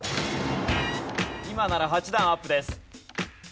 今なら８段アップです。